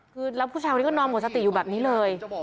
คือแล้วผู้ชายคนนี้ก็นอนหมดสติอยู่แบบนี้เลย